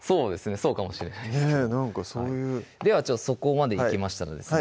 そうかもしれないですねぇなんかそういうではそこまでいきましたらですね